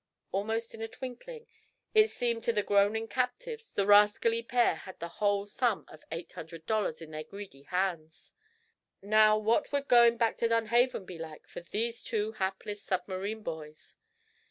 Almost in a twinkling, it seemed to the groaning captives, the rascally pair had the whole sum of eight hundred dollars in their greedy hands. Now, what would going back to Dunhaven be like for these two hapless submarine boys?